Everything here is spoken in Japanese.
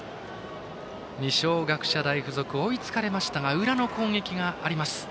二松学舎大付属追いつかれましたが裏の攻撃があります。